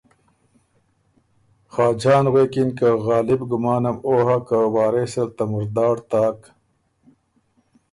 خاجان غوېکِن که ”غالب ګمانم او هۀ که وارث ال ته مُرداړ تاک